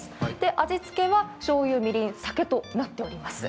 味付けはしょうゆ、みりん、酒となっております。